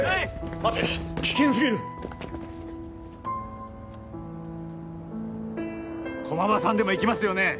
待て危険すぎる駒場さんでも行きますよね